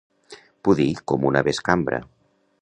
Pudir com una bescambra.